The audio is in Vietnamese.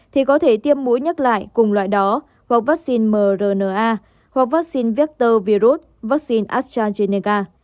thì có thể tiêm mũi nhắc lại cùng loại đó hoặc vắc xin mrna hoặc vắc xin vector virus vắc xin astrazeneca